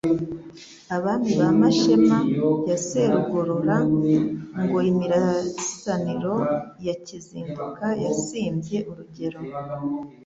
Abami ba Mashema ya Serugorora ngo imirasaniro ya Kizinduka Yasumbye urugero.